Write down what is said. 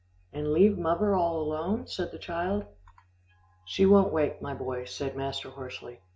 "And leave muvver all alone?" said the child. "She won't wake, my boy," said master hoarsely.